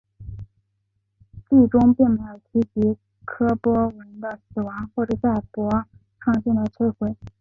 剧中并没有提及柯博文的死亡或是赛博创星的毁灭。